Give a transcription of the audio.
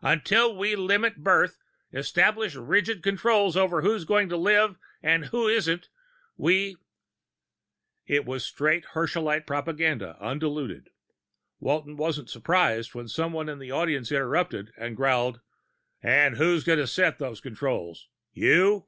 Until we limit birth, establish rigid controls over who's going to live and who isn't, we " It was straight Herschelite propaganda, undiluted. Walton wasn't surprised when someone in the audience interrupted, growling, "And who's going to set those controls? You?"